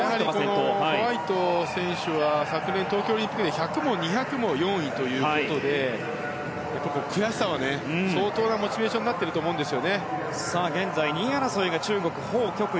ホワイト選手は昨年、東京オリンピックで１００も２００も４位ということで悔しさが相当なモチベーションになっていると思います。